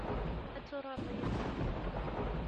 Ad turareḍ yid-neɣ?